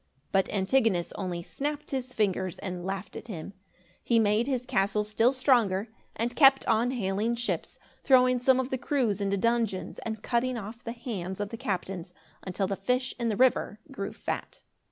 But Antigonus only snapped his fingers, and laughed at him. He made his castle still stronger and kept on hailing ships, throwing some of the crews into dungeons and cutting off the hands of the captains, until the fish in the river grew fat.